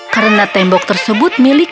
karena tembok tersebut milik